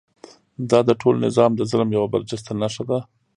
دا د ټول نظام د ظلم یوه برجسته نښه ده.